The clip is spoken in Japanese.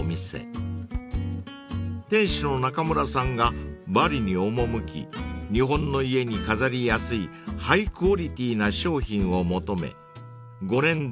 ［店主の中村さんがバリに赴き日本の家に飾りやすいハイクオリティーな商品を求め］